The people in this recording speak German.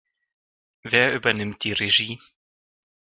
Wer übernimmt die Regie?